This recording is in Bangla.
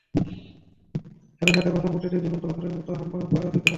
সাথে সাথে বাছুর মূর্তিটি জীবন্ত বাছুরের মত হাম্বা হাম্বা আওয়াজ দিতে লাগল।